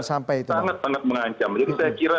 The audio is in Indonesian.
sampai sangat sangat mengancam jadi saya kira